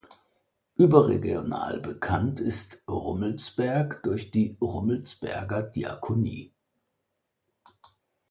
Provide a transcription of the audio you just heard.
Überregional bekannt ist Rummelsberg durch die Rummelsberger Diakonie.